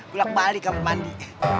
gulak balik habis mandi